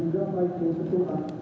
juga awal awal datangnya ini